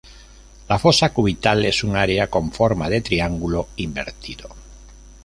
La fosa cubital es un área con forma de triángulo invertido.